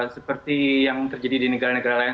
seperti yang terjadi di negara negara lain